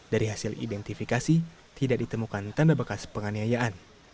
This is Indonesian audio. dari hasil identifikasi tidak ditemukan tanda bekas penganiayaan